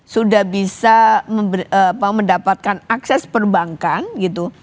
sudah bisa mendapatkan akses perbankan gitu